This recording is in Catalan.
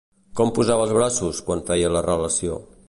Com posava els braços quan feia la relació?